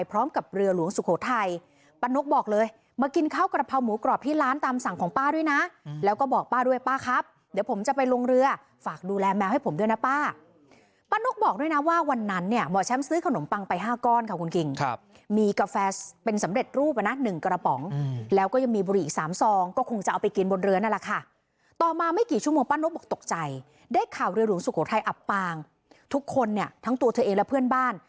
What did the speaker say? พร้อมกับเรือหลวงสุโขทัยป้านนกบอกเลยมากินข้าวกระเพราหมูกรอบที่ร้านตามสั่งของป้าด้วยนะแล้วก็บอกป้าด้วยป้าครับเดี๋ยวผมจะไปลงเรือฝากดูแลแมวให้ผมด้วยนะป้าป้านนกบอกด้วยนะว่าวันนั้นเนี่ยหมอแชมป์ซื้อขนมปังไปห้าก้อนค่ะคุณกิ่งครับมีกาแฟเป็นสำเร็จรูปนะหนึ่งกระป๋องอืมแล้วก็ยังมีบ